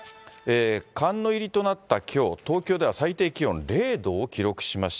寒の入りとなったきょう、東京では最低気温０度を記録しました。